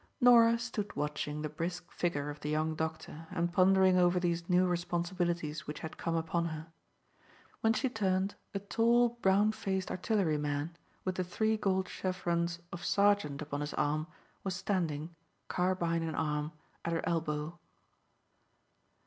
Norah stood watching the brisk figure of the young doctor, and pondering over these new responsibilities which had come upon her. When she turned a tall, brown faced artilleryman, with the three gold chevrons of sergeant upon his arm, was standing, carbine in hand, at her elbow.